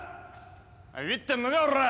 ビビってんのかおら！